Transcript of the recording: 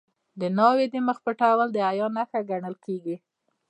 د ناوې د مخ پټول د حیا نښه ګڼل کیږي.